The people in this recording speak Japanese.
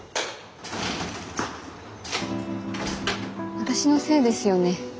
私のせいですよね